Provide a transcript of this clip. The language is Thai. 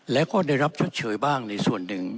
และก็ได้รับชดเชยบ้างในส่วนหนึ่ง